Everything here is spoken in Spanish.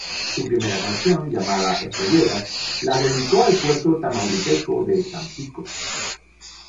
Su primera canción, llamada "Escolleras", la dedicó al puerto tamaulipeco de Tampico.